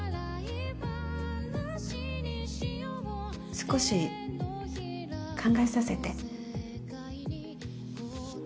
少し考えさせて。